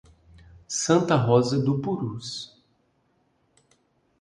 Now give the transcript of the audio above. Santa Rosa do Purus